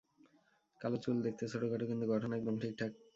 কালো চুল, দেখতে ছোটখাটো কিন্তু গঠন একদম ঠিকঠাক।